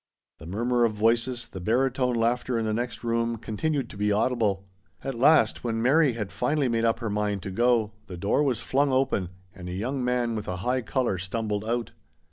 The murmur of voices, the baritone laughter in the next room continued to be audible. At last, when Mary had finally made up her mind to go, the door was flung open and a young man with a high colour stumbled out.